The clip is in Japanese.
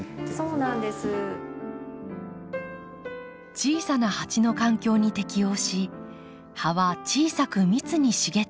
小さな鉢の環境に適応し葉は小さく密に茂っていきます。